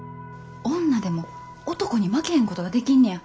女でも男に負けへんことができんねや。